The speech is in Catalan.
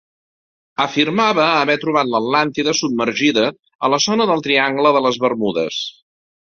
Afirmava haver trobat l'Atlàntida submergida a la zona del Triangle de les Bermudes.